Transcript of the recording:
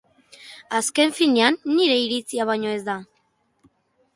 Azken finean, nire iritzia baino ez da